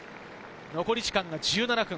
残り時間が１７分。